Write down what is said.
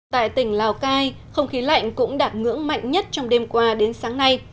tại tỉnh lào cai không khí lạnh cũng đạt ngưỡng mạnh nhất trong đêm qua đến sáng nay